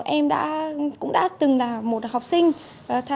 em cũng đã từng là một học sinh